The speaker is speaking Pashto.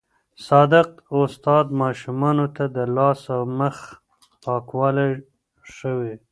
صادق استاد ماشومانو ته د لاس او مخ پاکوالی ښووي.